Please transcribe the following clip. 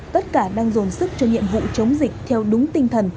tất cả đang dồn sức cho nhiệm vụ chống dịch theo đúng tinh thần